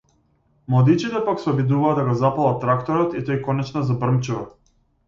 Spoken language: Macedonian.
Младичите пак се обидуваат да го запалат тракторот и тој конечно забрмчува.